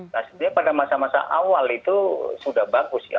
nah sebenarnya pada masa masa awal itu sudah bagus ya